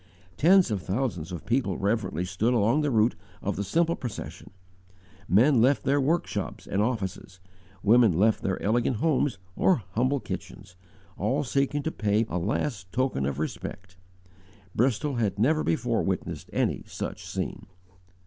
Tens of thousands of people reverently stood along the route of the simple procession; men left their workshops and offices, women left their elegant homes or humble kitchens, all seeking to pay a last token of respect. Bristol had never before witnessed any such scene.